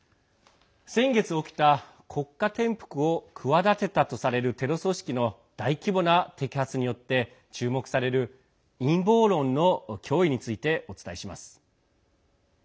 先月起きた国家転覆を企てたとされるテロ組織の大規模な摘発によって注目される陰謀論の脅威についてお伝えします。